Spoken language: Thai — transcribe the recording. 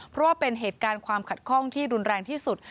เพราะว่าเป็นเหตุการณ์ความขัดข้องที่รุนแรงที่สุด